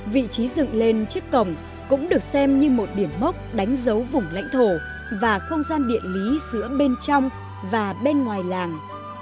vị trí dựng lên chiếc cổng cũng được xem như một điểm mốc đánh dấu vùng lãnh thổ và không gian điện lý giữa bên trong và bên ngoài làng